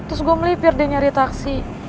terus gua melipir deh nyari taksi